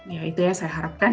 ya itu yang saya harapkan